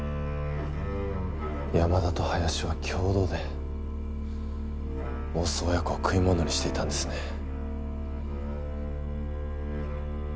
山田と林は共同で大須親子を食いモノにしていたんですね。